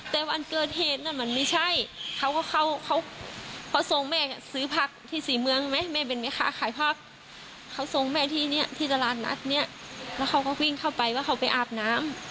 มาเที่ยงกันมากลูกสาวนี้คงจะเปิดประตูทำ